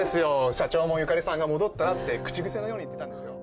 社長もゆかりさんが戻ったらって口癖のように言ってたんですよ